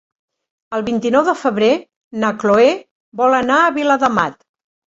El vint-i-nou de febrer na Cloè vol anar a Viladamat.